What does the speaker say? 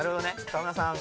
河村さん